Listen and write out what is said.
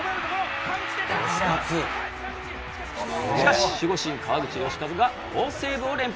しかし守護神・川口能活が好セーブを連発。